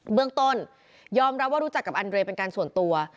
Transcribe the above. เบื้องต้นยอมรับว่ารู้จักกับอันเรย์เป็นการส่วนตัว